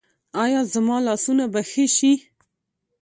ایا زما لاسونه به ښه شي؟